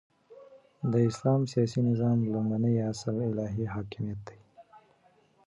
د اسلام سیاسی نظام لومړنی اصل الهی حاکمیت دی،